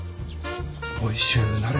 おいしゅうなれ。